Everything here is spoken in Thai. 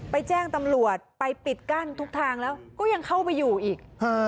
แจ้งตำรวจไปปิดกั้นทุกทางแล้วก็ยังเข้าไปอยู่อีก